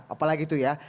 apalagi itu ya